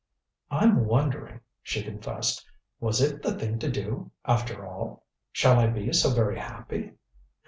"I'm wondering," she confessed. "Was it the thing to do, after all? Shall I be so very happy?"